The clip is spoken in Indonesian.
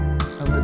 gak ada apa apa